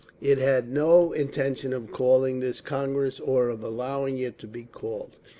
It had no intention of calling this Congress or of allowing it to be called.